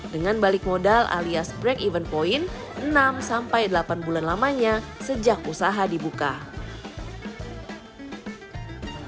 dengan balik modal alias break even point enam sampai delapan bulan lamanya sejak usaha dibuka